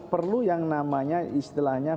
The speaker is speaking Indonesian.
perlu yang namanya istilahnya